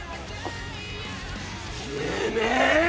てめえ！